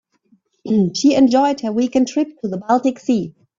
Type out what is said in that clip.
She enjoyed her weekend trip to the baltic sea.